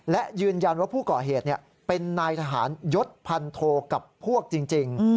และยืนยันว่าผู้ก่อเหตุเป็นนายทหารยศพันโทกับพวกจริง